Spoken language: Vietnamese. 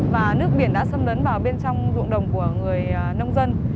và nước biển đã xâm lấn vào bên trong ruộng đồng của người nông dân